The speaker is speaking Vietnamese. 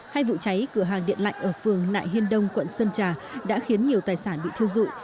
hai vụ cháy cửa hàng điện lạnh ở phường nại hiên đông quận sơn trà đã khiến nhiều tài sản bị thiêu dụi